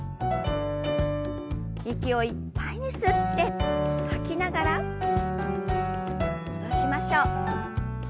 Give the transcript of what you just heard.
息をいっぱいに吸って吐きながら戻しましょう。